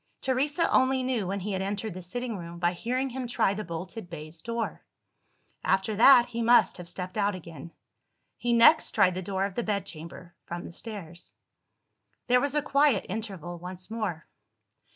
Teresa only knew when he had entered the sitting room by hearing him try the bolted baize door. After that, he must have stepped out again. He next tried the door of the bedchamber, from the stairs. There was a quiet interval once more.